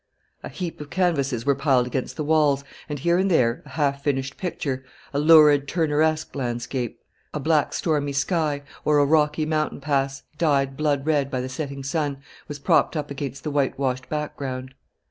A heap of canvases were piled against the walls, and here and there a half finished picture a lurid Turneresque landscape; a black stormy sky; or a rocky mountain pass, dyed blood red by the setting sun was propped up against the whitewashed background.